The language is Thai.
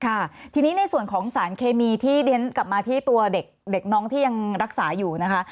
ค่ะทีนี้ในส่วนของสารเคมีที่เรียนกลับมาที่ตัวเด็กน้องที่ยังรักษาอยู่นะคะ